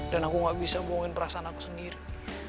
dan aku gak bisa bohongin perasaan aku sendiri